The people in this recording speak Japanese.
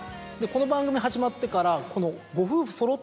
この番組始まってから。